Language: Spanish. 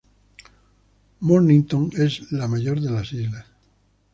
Mornington es la mayor de las islas.